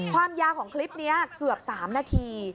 ความยาวของคลิปนี้เกือบ๓นาที